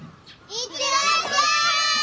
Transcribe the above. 行ってらっしゃい。